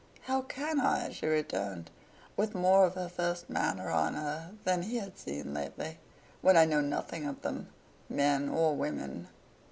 'How can I,' she returned, with more of her first manner on her than he had lately seen, 'when I know nothing of them, men or women?